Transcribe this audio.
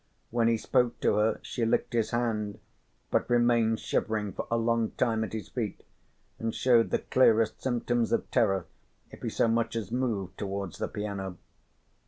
When he spoke to her she licked his hand, but remained shivering for a long time at his feet and showed the clearest symptoms of terror if he so much as moved towards the piano.